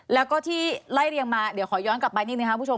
แล้วก็ที่ไล่เรียงมาเดี๋ยวขอย้อนกลับไปนิดนึงครับคุณผู้ชม